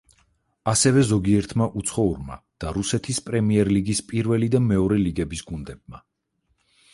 ასევე ზოგიერთმა უცხოურმა და რუსეთის პრემიერ-ლიგის, პირველი და მეორე ლიგების გუნდებმა.